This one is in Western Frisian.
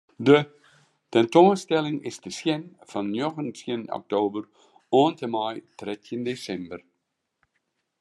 De tentoanstelling is te sjen fan njoggentjin oktober oant en mei trettjin desimber.